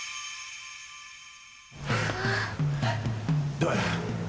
どうや？